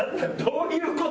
どういう事？